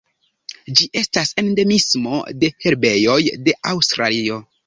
Ĝi estas endemismo de herbejoj de Aŭstralio.